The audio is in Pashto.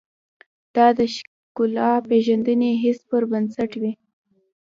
دا د ښکلا پېژندنې حس پر بنسټ وي.